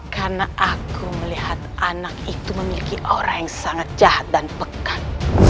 karena aku melihat anak itu memiliki aura yang sangat jahat dan pekat